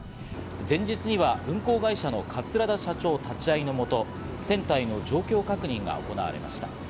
前日には運航会社の桂田社長が立ち会いのもと、船体の状況確認が行われました。